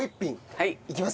はい。